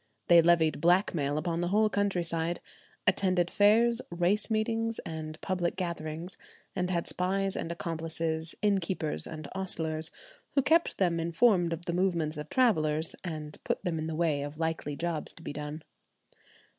They levied blackmail upon the whole countryside; attended fairs, race meetings, and public gatherings, and had spies and accomplices, innkeepers and ostlers, who kept them informed of the movements of travellers, and put them in the way of likely jobs to be done.